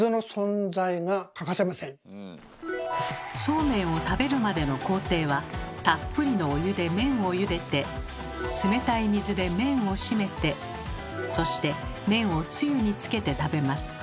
そうめんを食べるまでの工程はたっぷりのお湯で麺をゆでて冷たい水で麺をしめてそして麺をつゆにつけて食べます。